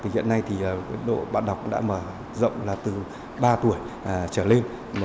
hiện nay độ văn hóa đọc đã mở rộng từ ba tuổi trở lên